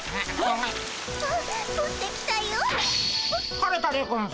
晴れたでゴンス。